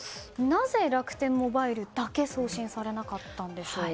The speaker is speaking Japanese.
なぜ楽天モバイルだけ送信されなかったんでしょう？